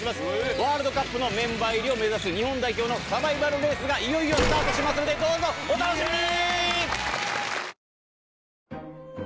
ワールドカップのメンバー入りを目指す日本代表のサバイバルレースがいよいよスタートしますのでどうぞお楽しみに！